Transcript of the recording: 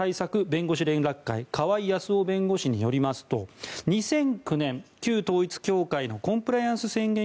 弁護士連絡会川井康雄弁護士によりますと２００９年、旧統一教会のコンプライアンス宣言